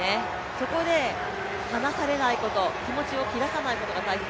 そこで離されないこと気持ちを切らさないことが大切。